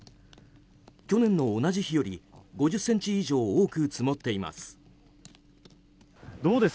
去年の同じ日より５０ｃｍ以上多く積もっています。